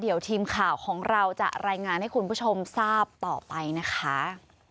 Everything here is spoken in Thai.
เดี๋ยวทีมข่าวของเราจะรายงานให้คุณผู้ชมทราบต่อไปนะคะ